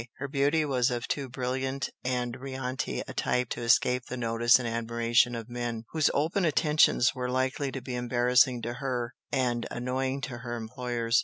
Her beauty was of too brilliant and riante a type to escape the notice and admiration of men, whose open attentions were likely to be embarrassing to her, and annoying to her employers.